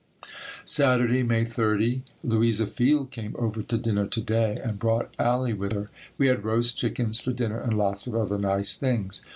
Saturday, May 30. Louisa Field came over to dinner to day and brought Allie with her. We had roast chickens for dinner and lots of other nice things.